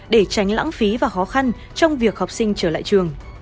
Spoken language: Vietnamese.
để tránh lãng phí và khó khăn trong việc học sinh trở lại trường